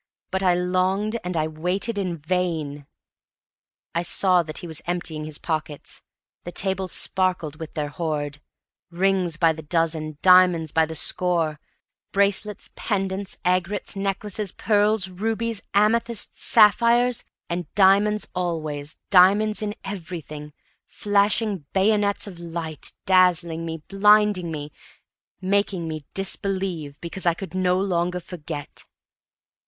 But I longed and I waited in vain! I saw that he was emptying his pockets; the table sparkled with their hoard. Rings by the dozen, diamonds by the score; bracelets, pendants, aigrettes, necklaces, pearls, rubies, amethysts, sapphires; and diamonds always, diamonds in everything, flashing bayonets of light, dazzling me blinding me making me disbelieve because I could no longer forget.